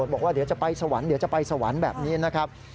บอกว่าเดี๋ยวจะไปสวรรค์แบบนี้นะครับ